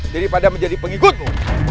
daripada menjadi pengikutmu